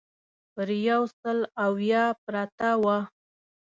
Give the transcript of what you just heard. پر یو سل اویا پرته وه.